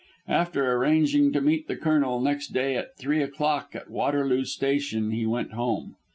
After arranging to meet the Colonel next day at three o'clock at Waterloo Station he went home.